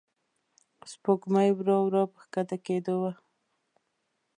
سپوږمۍ ورو ورو په کښته کېدو وه.